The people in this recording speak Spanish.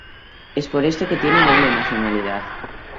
Es por esto que tiene doble nacionalidad.